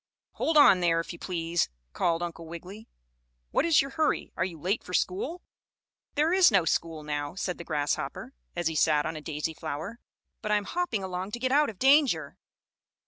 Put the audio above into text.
"Hold on there, if you please!" called Uncle Wiggily. "What is your hurry. Are you late for school?" "There is no school now," said the grasshopper, as he sat on a daisy flower, "but I am hopping along to get out of danger."